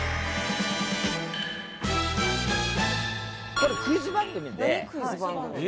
これクイズ番組で。